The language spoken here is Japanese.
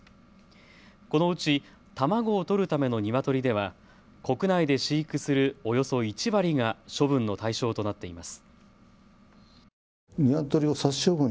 このうち卵を採るためのニワトリでは国内で飼育するおよそ１割が処分の対象となっています。